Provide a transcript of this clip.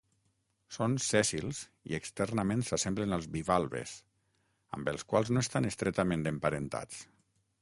Són sèssils i externament s'assemblen als bivalves, amb els quals no estan estretament emparentats.